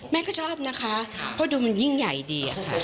แม่ก็ชอบนะคะเพราะดูมันยิ่งใหญ่ดีอะค่ะ